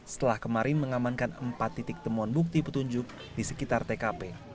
setelah kemarin mengamankan empat titik temuan bukti petunjuk di sekitar tkp